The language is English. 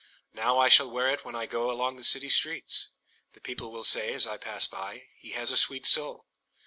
Now I shall wear itWhen I goAlong the city streets:The people will sayAs I pass by—"He has a sweet soul!"